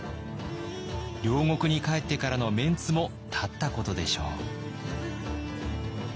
領国に帰ってからのメンツも立ったことでしょう。